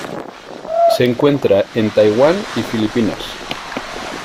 Se encuentra en Taiwán y Filipinas.